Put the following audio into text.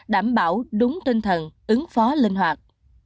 đảm bảo đúng tinh thần ứng phó linh hoạt